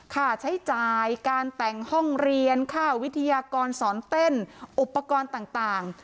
ค่าใช้จ่ายการแต่งห้องเรียนค่าวิทยากรสอนเต้นอุปกรณ์ต่าง